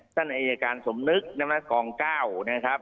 ท่านอายการสมนึกน้ำนักกองเก้านะครับ